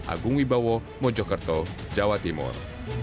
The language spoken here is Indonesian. agung wibowo mojokerto jawa timur